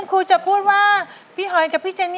อ๋อเขาพูดไม่ถูกเอง